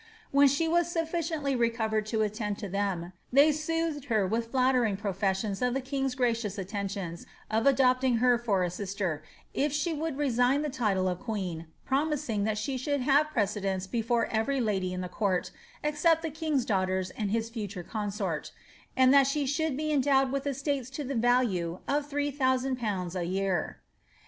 ^ When she was sufficiently recovered to attend to them, they soothed her with flattering professions of the king^s gracious atteotioDS of adopting her for a sister, if she would resign the title of queeo, pro mising that she should have precedence before every lady in the cout, except the king's daughters and his future consort; and that she should be endowed with estates to the value of 3000/. a year.